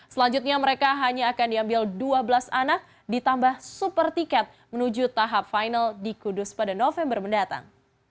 selanjutnya mereka hanya akan diambil dua belas anak ditambah super tiket menuju tahap final di kudus pada november mendatang